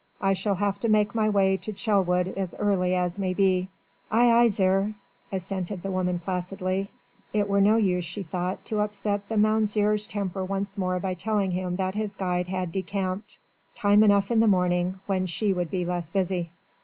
I shall have to make my way to Chelwood as early as may be." "Aye, aye, zir," assented the woman placidly. It were no use, she thought, to upset the Mounzeer's temper once more by telling him that his guide had decamped. Time enough in the morning, when she would be less busy.